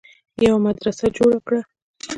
يوه مدرسه جوړه کړه